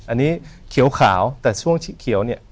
อันนี้เขียวขาวแต่ช่วงที่เขียว